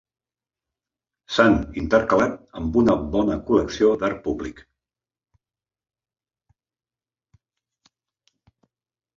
S'han intercalat amb una bona col·lecció d'art públic.